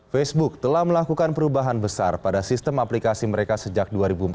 facebook telah melakukan perubahan besar pada sistem aplikasi mereka sejak dua ribu empat belas